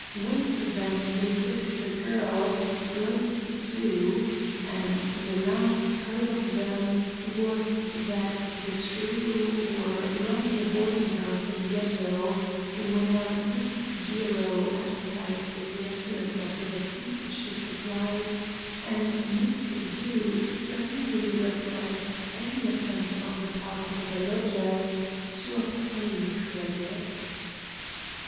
With them they took the girl, Rose Dew, and the last heard of them was that the trio were running a boarding house in Yeddo, where Mrs. Jiro advertised the excellence of the food she supplied, and Miss Dew sternly repressed any attempt on the part of the lodgers to obtain credit.